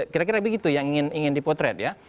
kira kira begitu yang ingin dipotret ya